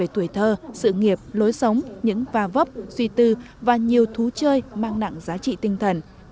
tuổi thơ sự nghiệp lối sống những va vấp suy tư và nhiều thú chơi mang nặng giá trị tinh thần